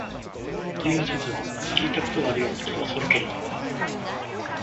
という説は聞いた事があるような気がするけれども、